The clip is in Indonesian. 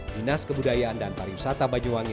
dinas kebudayaan dan pariwisata banyuwangi